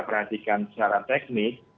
perhatikan secara teknis